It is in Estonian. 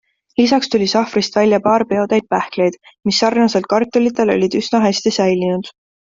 Lisaks tuli sahvrist välja paar peotäit pähkleid, mis sarnaselt kartulitele olid üsna hästi säilinud.